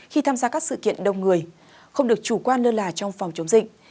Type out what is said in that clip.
khi tham gia các sự kiện đông người không được chủ quan lơ là trong phòng chống dịch